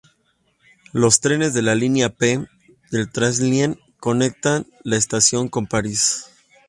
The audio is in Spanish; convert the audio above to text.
Los trenes de la línea P del Transilien conectan la estación con París.